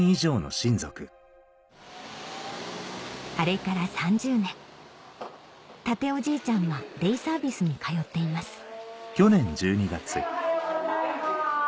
あれから３０年健夫じいちゃんはデイサービスに通っていますおはようございます。